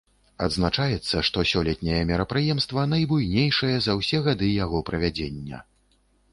Адзначаецца, што сёлетняе мерапрыемства найбуйнейшае за ўсе гады яго правядзення.